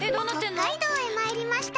北海道へまいりました。